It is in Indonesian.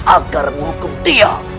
agar menghukum dia